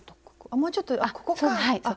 もうちょっとあっここかぁ。